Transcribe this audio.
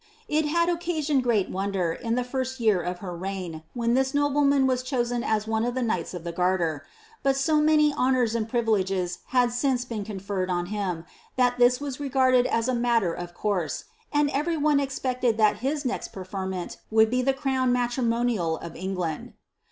It had occasional gr«1 wonder, in (he first year of her reign, when this nobleiuan was choaci as one of ihe knights of the garter; but so many honours and prin leges had since been conferred on him, that this was regarded as a matui of course ; and every one expected (hat his next preferment would bi lo the crownMnatrimonial of England.